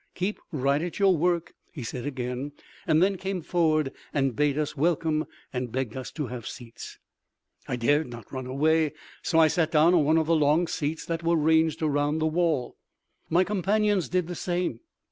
"Keep right at your work," he said again, and then came forward and bade us welcome and begged us to have seats. I dared not run away, so I sat down on one of the long seats that were ranged around the wall. My companions did the same.